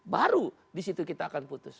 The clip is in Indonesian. baru disitu kita akan putus